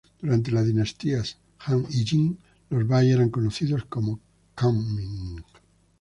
Durante las dinastías Han y Jin, los bai eran conocidos como "kunming".